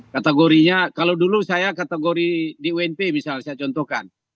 kategorinya kalau dulu saya kategori di unp misalnya saya contohkan